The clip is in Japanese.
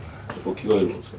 着替えるんですか？